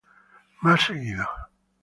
Más seguido.